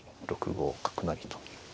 ６五角成と。